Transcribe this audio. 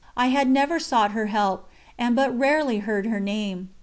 I had never sought her help, and but rarely heard her name.